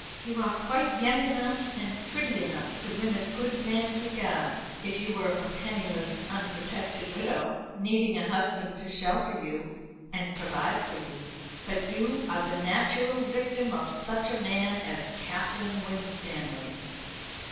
You are quite young enough and pretty enough to win a good man's regard, if you were a penniless unprotected widow, needing a husband to shelter you and provide for you. But you are the natural victim of such a man as Captain Winstanley."